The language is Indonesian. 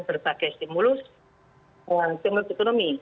berbagai stimulus stimulus ekonomi